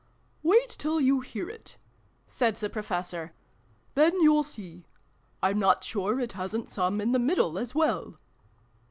" Wait till you hear it," said the Professor :" then you'll see. I'm not sure it hasn't some in the middle, as well."